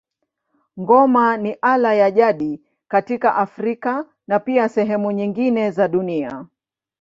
Ngoma ni ala ya jadi katika Afrika na pia sehemu nyingine za dunia.